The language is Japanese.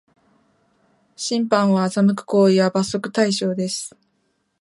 審判を欺く行為は罰則対象です